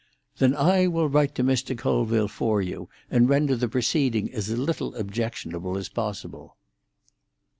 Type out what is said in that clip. "Then I will write to Mr. Colville for you, and render the proceeding as little objectionable as possible."